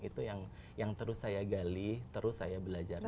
itu yang terus saya gali terus saya belajar